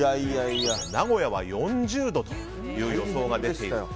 名古屋は４０度という予想が出ています。